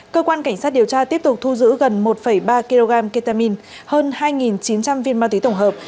cơ quan cảnh sát điều tra tiếp tục thu giữ gần một ba kg ketamine hơn hai chín trăm linh viên ma túy tổng hợp